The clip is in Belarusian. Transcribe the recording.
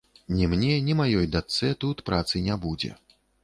Ні мне, ні маёй дачцэ тут працы не будзе.